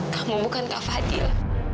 kamu bukan kak fadil